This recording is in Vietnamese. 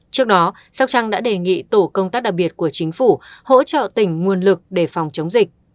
trước đó sóc trăng đã đề nghị tổ công tác đặc biệt của chính phủ hỗ trợ tỉnh nguồn lực để phòng chống dịch